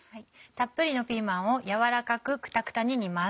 たっぷりのピーマンを軟らかくクタクタに煮ます。